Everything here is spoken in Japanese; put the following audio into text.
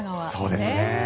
そうですね。